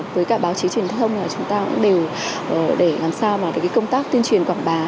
với cả báo chí truyền thông là chúng ta cũng đều để làm sao mà công tác tuyên truyền quảng bá